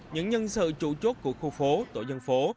những nhân sự trụ trốt của khu phố tổ dân phố